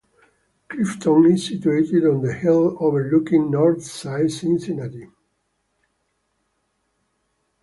Clifton is situated on the hill overlooking Northside, Cincinnati.